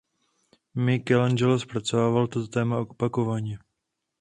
Michelangelo zpracovával toto téma opakovaně.